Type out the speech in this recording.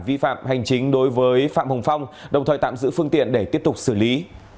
vi phạm hành chính đối với phạm hồng phong đồng thời tạm giữ phương tiện để tiếp tục xử lý